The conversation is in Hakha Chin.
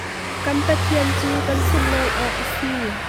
Kan Pathian cu kan sunhlawih awk a si.